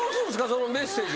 そのメッセージを。